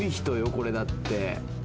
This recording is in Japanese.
これだって。